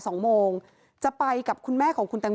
สองโมงจะไปกับคุณแม่ของคุณแตง